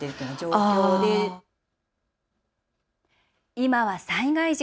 今は災害時。